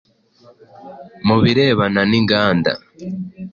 mu birebana n’inganda